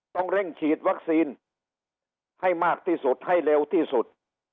ต้องเร่งฉีดวัคซีนให้มากที่สุดให้เร็วที่สุด